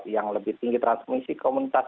yang lebih tinggi transmisi komunitas